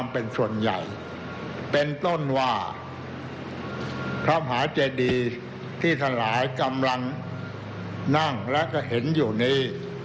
เป็นต้นว่าพร้อมหาใจดีที่ทหารหลายกำลังนั่งและเห็นอยู่นี้